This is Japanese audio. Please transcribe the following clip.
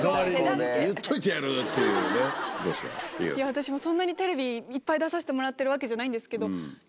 私もそんなにテレビいっぱい出させてもらってるわけじゃないんですけど。